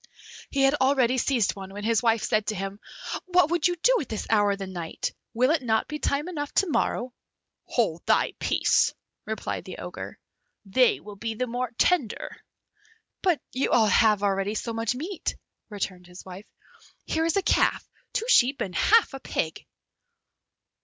He had already seized one, when his wife said to him, "What would you do at this hour of the night? will it not be time enough to morrow?" "Hold thy peace," replied the Ogre, "they will be the more tender." "But you have already so much meat," returned his wife; "Here is a calf, two sheep, and half a pig."